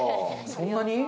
そんなに？